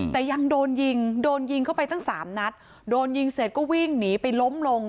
แต่ยังโดนยิงโดนยิงเข้าไปตั้งสามนัดโดนยิงเสร็จก็วิ่งหนีไปล้มลง